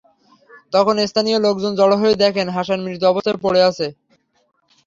তখন স্থানীয় লোকজন জড়ো হয়ে দেখেন, হাসান মৃত অবস্থায় পড়ে আছে।